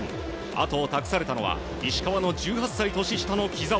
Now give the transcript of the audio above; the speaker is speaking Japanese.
後を託されたのは石川の１８歳年下の木澤。